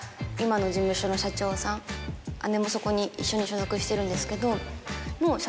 姉もそこに一緒に所属してるんですけど。